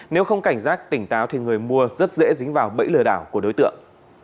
nếu không cảnh giác tỉnh táo thì người mua rất dễ dính vào bẫy lừa đảo của đối tượng